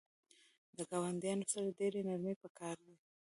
د ګاونډیانو سره ډیره نرمی پکار ده